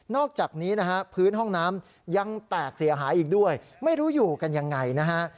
อกจากนี้นะฮะพื้นห้องน้ำยังแตกเสียหายอีกด้วยไม่รู้อยู่กันยังไงนะฮะ